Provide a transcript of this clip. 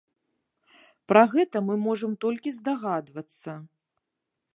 Пра гэта мы можам толькі здагадвацца.